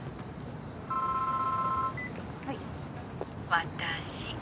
☎私。